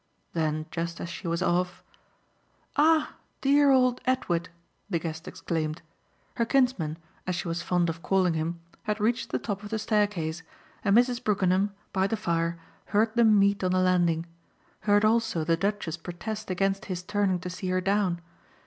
Then just as she was off, "Ah dear old Edward!" the guest exclaimed. Her kinsman, as she was fond of calling him, had reached the top of the staircase, and Mrs. Brookenham, by the fire, heard them meet on the landing heard also the Duchess protest against his turning to see her down.